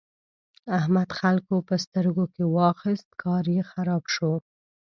احمد خلګو په سترګو کې واخيست؛ کار يې خراب شو.